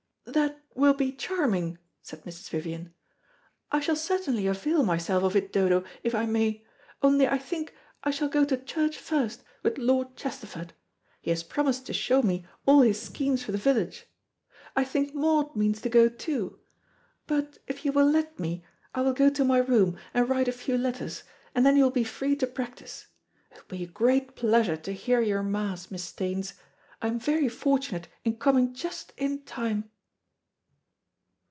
"That will be charming," said Mrs. Vivian. "I shall certainly avail myself of it, Dodo, if I may, only I think I shall go to church first with Lord Chesterford. He has promised to show me all his schemes for the village. I think Maud means to go too. But if you will let me, I will go to my room, and write a few letters, and then you will be free to practise. It will be a great pleasure to hear your Mass, Miss Staines; I am very fortunate in coming just in time."